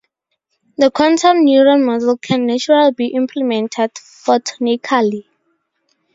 The quantum neuron module can naturally be implemented photonically.